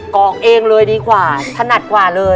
อกเองเลยดีกว่าถนัดกว่าเลย